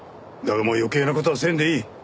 だがもう余計な事はせんでいい。